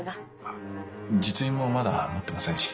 あ実印もまだ持ってませんし。